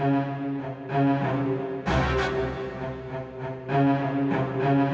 rasain karena orang transgender yang disayang